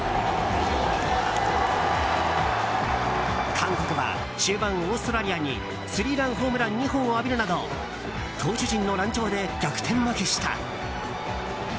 韓国は終盤、オーストラリアにスリーランホームラン２本を浴びるなど投手陣の乱調で逆転負けした。